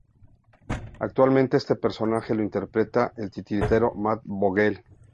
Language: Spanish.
Actualmente este personaje lo interpreta el titiritero Matt Vogel.